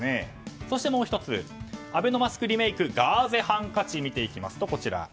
そしてもう１つアベノマスクリメイクガーゼハンカチを見ていきましょう。